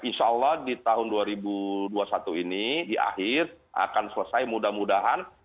insya allah di tahun dua ribu dua puluh satu ini di akhir akan selesai mudah mudahan